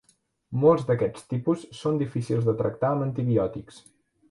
Molts d'aquests tipus són difícils de tractar amb antibiòtics.